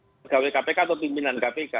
pegawai kpk atau pimpinan kpk